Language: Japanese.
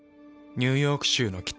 ニューヨーク州の北。